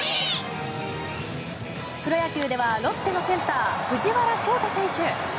プロ野球ではロッテのセンター藤原恭大選手。